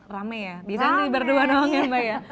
rame ya di sana berdua doang ya mbak ya